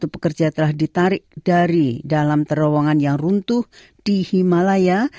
satu pekerja telah ditarik dari dalam terowongan yang runtuh di himalaya